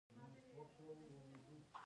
د فلزاتو د کوب لپاره یو متخصص ته اړتیا وه.